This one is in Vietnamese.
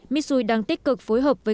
mitsui đang tích cực phối hợp với